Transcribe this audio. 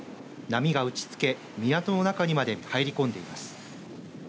波が打ちつけ港の中にまで入り込んでいます。